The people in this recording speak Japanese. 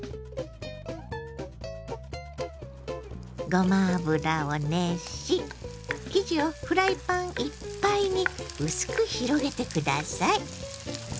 ごま油を熱し生地をフライパンいっぱいに薄く広げて下さい。